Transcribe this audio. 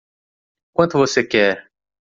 Quanto você quer?